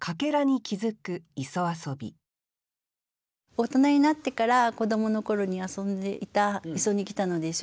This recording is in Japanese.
大人になってから子どもの頃に遊んでいた磯に来たのでしょう。